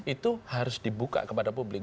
itu harus dibuka kepada publik